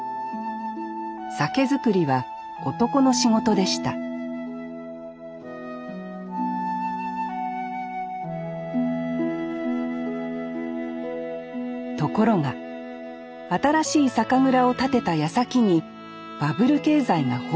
酒造りは男の仕事でしたところが新しい酒蔵を建てたやさきにバブル経済が崩壊。